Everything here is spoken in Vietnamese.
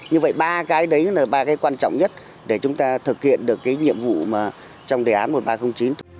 như vậy ba cái đấy là ba cái quan trọng nhất để chúng ta thực hiện được cái nhiệm vụ mà trong đề án một nghìn ba trăm linh chín